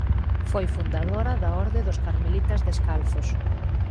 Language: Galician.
Foi a fundadora da Orde dos Carmelitas Descalzos.